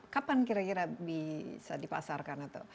kapan kira kira bisa dipasarkan atau